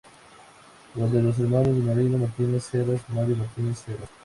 O el de los hermanos Marino Martínez Heras y Mario Martínez Heras.